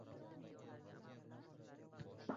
Qo'limni kesib oldim.